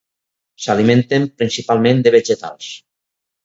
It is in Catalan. S'alimenten principalment de vegetals.